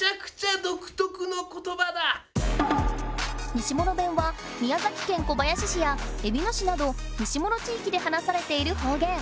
西諸弁は宮崎県小林市やえびの市など西諸地域で話されている方言。